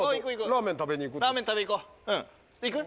ラーメン食べ行こう行く？